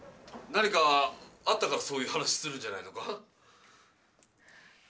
何かあったからそういう話するんじゃないのか？